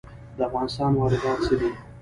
د افغانستان واردات څه دي؟